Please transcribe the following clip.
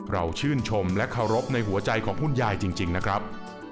ชื่นชมและเคารพในหัวใจของคุณยายจริงนะครับ